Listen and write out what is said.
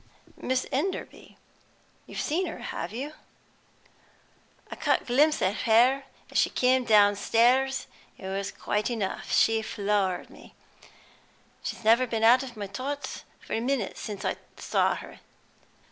"Miss Enderby. You've seen her, have you?" "I caught a glimpse of her as she came downstairs; it was quite enough; she floored me. She's never been out of my thoughts for a minute since I saw her.